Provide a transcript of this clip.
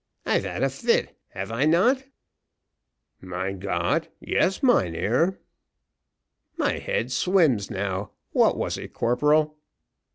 "I've had a fit; have I not?" "Mein Gott! yes, mynheer." "My head swims now; what was it, corporal?"